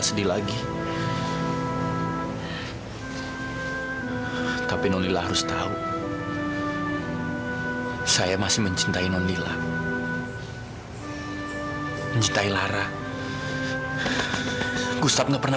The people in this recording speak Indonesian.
sita tolong om satria sama tatrila jadi pembawa bunga ya